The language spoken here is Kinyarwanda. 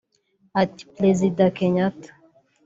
Ati “Perezida Kenyatta